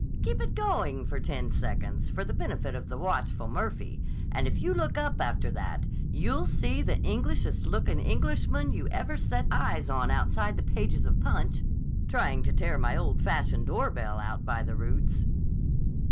Keep it going for ten seconds for the benefit of the watchful Murphy, and if you look up after that, you'll see the Englishest looking Englishman you ever sat eyes on outside the pages of Punch, trying to tear my old fashioned doorbell out by the roots."